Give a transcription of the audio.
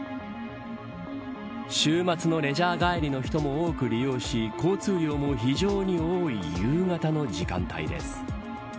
週末のレジャー帰りの人も多く利用し交通量も非常に多い夕方の時間帯です。